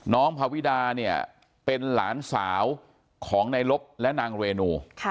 น้องภาวิดาเป็นหลานสาวของนายลบและนางเรนู